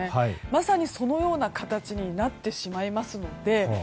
まさに、そのような形になってしまいますので。